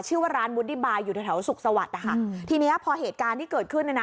ชื่อว่าร้านวุดดี้บายอยู่แถวแถวสุขสวัสดิ์นะคะทีเนี้ยพอเหตุการณ์ที่เกิดขึ้นเนี่ยนะ